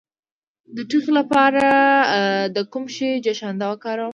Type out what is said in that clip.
د ټوخي لپاره د کوم شي جوشانده وکاروم؟